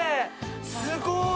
すごい！